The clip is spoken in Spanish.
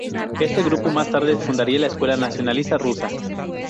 Este grupo, más tarde, fundaría la Escuela Nacionalista Rusa.